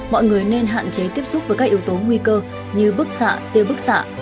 mọi người nên hạn chế tiếp xúc với các yếu tố nguy cơ như bức xạ tiêu bức xạ